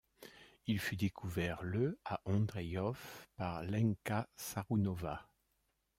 Il fut découvert le à Ondřejov par Lenka Šarounová.